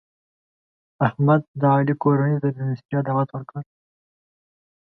احمد د علي کورنۍ ته د مېلمستیا دعوت ورکړ.